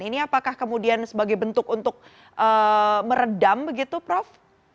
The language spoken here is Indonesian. ini apakah kemudian sebagai bentuk untuk meredam begitu prof